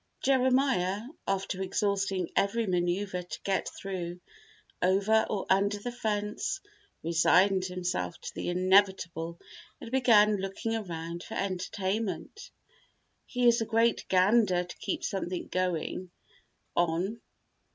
Jeremiah, after exhausting every maneuvre to get through, over or under the fence, resigned himself to the inevitable and began looking around for entertainment. He is a great gander to keep something going on.